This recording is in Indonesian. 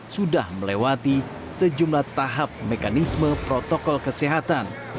sudah melewati sejumlah tahap mekanisme protokol kesehatan